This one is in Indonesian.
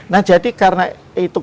nah jadi karena itu